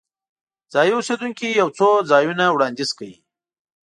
ځایي اوسیدونکي یو څو ځایونه وړاندیز کوي.